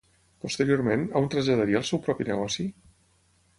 Posteriorment, on traslladaria el seu propi negoci?